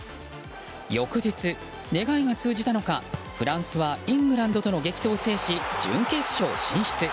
翌日、願いが通じたのかフランスはイングランドとの激闘を制し準決勝進出。